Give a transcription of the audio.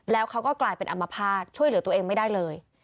แล้วเขาก็กลายเป็นอัมพาตช่วยเหลือตัวเองไม่ได้เลย